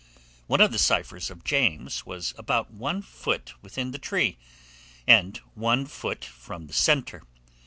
One of the ciphers of James was about one foot within the tree, and one foot from the centre.